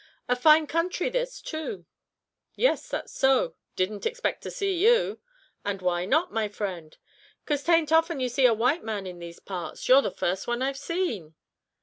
"A fine country this, too," "Yes, that's so; didn't expect to see you." "And why not, my friend?" "'Cause 'tain't often you see a white man in these parts; you're the first one I've seen."